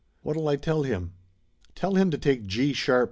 What'll I tell him ?" "Tell him to take G sharp